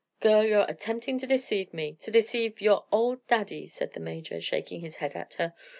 "Girl, you're attempting to deceive me to deceive your old Daddy," said the Major, shaking his head at her.